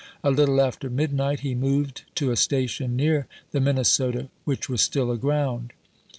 A little Mim^i'/io." after midnight he moved to a station near the Minne ihhui. 18. sofa, which was still aground.